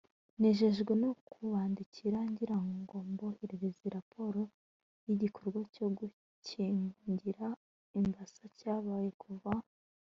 nejejwe no kubandikira ngira ngo mboherereze raporo y'igikorwa cyo gukingira imbasa cyabaye kuva